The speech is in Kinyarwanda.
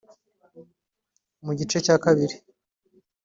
Mu gice cya kabiri